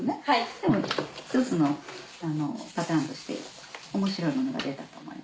でも一つのパターンとして面白いものが出たと思います。